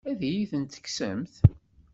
Ad iyi-t-tekksemt?